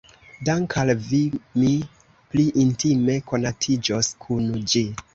Dank' al vi mi pli intime konatiĝos kun ĝi.